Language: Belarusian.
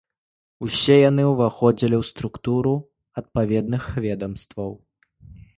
Усе яны ўваходзілі ў структуру адпаведных ведамстваў.